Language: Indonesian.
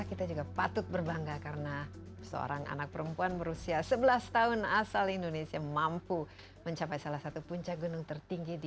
kita juga patut berbangga karena seorang anak perempuan berusia sebelas tahun asal indonesia mampu mencapai salah satu puncak gunung tertinggi di dunia